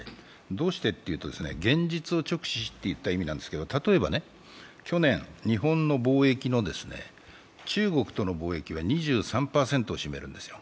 どうしてというと、現実を直視しと言った意味なんですけれども例えば去年、日本の貿易の中国との貿易は２３％を占めるんですよ。